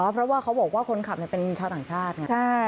เพราะว่าเขาบอกว่าคนขับเป็นชาวต่างชาติไง